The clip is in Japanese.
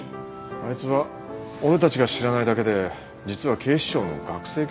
あいつは俺たちが知らないだけで実は警視庁の学生刑事なのか？